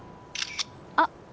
あっ。